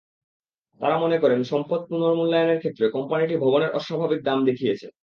তাঁরা মনে করেন, সম্পদ পুনর্মূল্যায়নের ক্ষেত্রে কোম্পানিটি ভবনের অস্বাভাবিক দাম দেখিয়েছে।